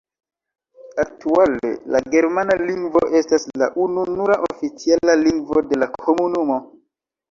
Aktuale la germana lingvo estas la ununura oficiala lingvo de la komunumo.